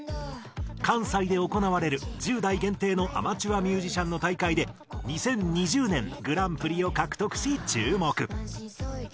関西で行われる１０代限定のアマチュアミュージシャンの大会で２０２０年グランプリを獲得し注目。